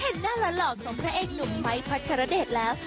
เห็นหน้าหล่อของพระเอกหนุ่มไม้พัชรเดชแล้ว